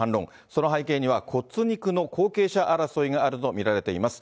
その背景には骨肉の後継者争いがあると見られています。